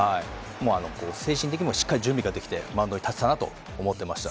精神的にもしっかり準備ができてマウンドに立ってたなと思ってました。